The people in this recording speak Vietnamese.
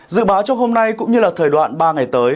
dự báo trong hôm nay cũng như là thời đoạn ba ngày tới